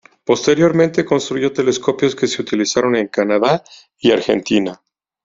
Posteriormente construyó telescopios que se utilizaron en Canadá y Argentina.